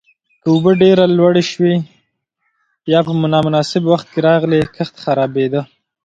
که اوبه ډېره لوړې شوې یا په نامناسب وخت کې راغلې، کښت خرابېده.